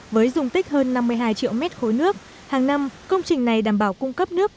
với dùng tích hơn năm mươi hai triệu mét khối nước hàng năm công trình này đảm bảo cung cấp nước